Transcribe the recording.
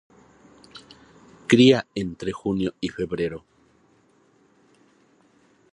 Cría entre junio y febrero.